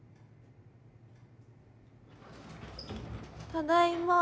ただいま。